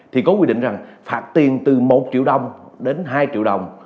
thì có quy định rằng phạt tiền từ một triệu đồng đến hai triệu đồng